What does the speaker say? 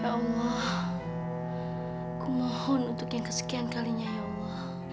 ya allah aku mohon untuk yang kesekian kalinya ya allah